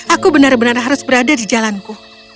aku benar benar harus berada di jalanku